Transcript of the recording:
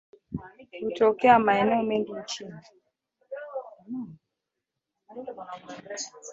Hutokea maeneo mengi nchini